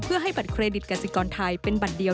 เพื่อให้บัตรเครดิตกสิกรไทยเป็นบัตรเดียว